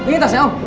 oh ini tasnya om